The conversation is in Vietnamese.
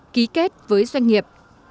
ký kết với doanh nghiệp